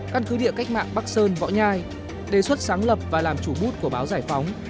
căn cứ địa cách mạng bắc sơn võ nhai đề xuất sáng lập và làm chủ bút của báo giải phóng